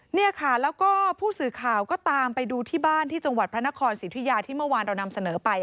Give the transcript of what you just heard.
นี่ค่ะแล้วก็ผู้สื่อข่าวก็ตามไปดูที่บ้านที่จังหวัดพระนครสิทธิยาที่เมื่อวานเรานำเสนอไป